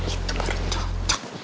itu baru cocok